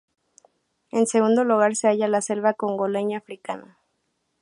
En segundo lugar se halla la selva congoleña africana.